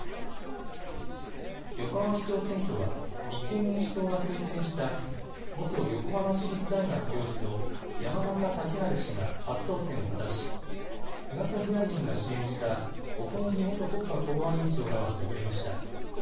横浜市長選挙は、立憲民主党が推薦した元横浜市立大学教授の山中竹春氏が初当選を果たし菅総理大臣が支援した小此木元国家公安委員長らは敗れました。